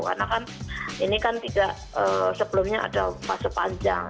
karena kan ini kan sebelumnya ada fase panjang